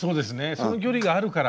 その距離があるから。